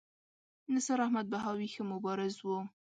نثار احمد بهاوي ښه مبارز و.